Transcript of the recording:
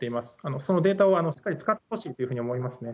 そのデータをしっかり使ってほしいというふうに思いますね。